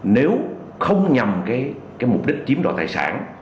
nếu không nhầm cái mục đích chiếm đo tài sản